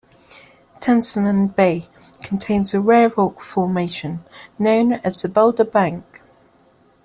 Tasman Bay contains the rare rock formation known as the Boulder Bank.